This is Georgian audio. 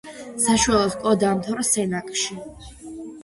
საშუალო სკოლა დაამთავრა სენაკში.